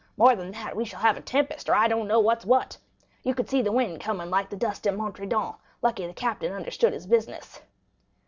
More than that, we shall have a tempest, or I don't know what's what.' You could see the wind coming like the dust at Montredon; luckily the captain understood his business.